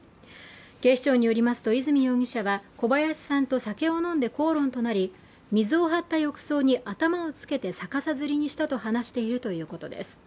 警視庁によりますと泉容疑者は小林さんと酒を飲んで口論になり水を張った浴槽に頭をつけて逆さづりにしたと話しているということです。